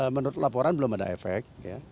menurut laporan belum ada efek